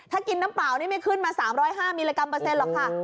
ถ้ากินน้ำเปล่านี่ไม่ขึ้นมา๓๐๕มิลลิกรัมเปอร์เซ็นหรอกค่ะ